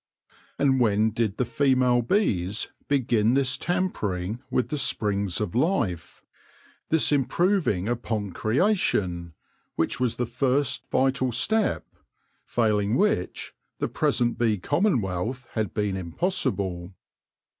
And when did the female bees begin this tampering with the springs 164 THE LORE OF THE HONEY BEE of life, this improving upon Creation, which was the first vital step, failing which the present bee commonwealth had been impossible